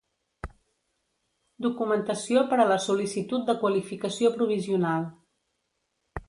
Documentació per a la sol·licitud de qualificació provisional.